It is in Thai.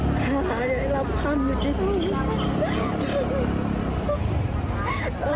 ได้รับความยุติธรรม